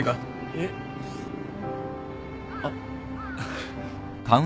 えっ？あっ。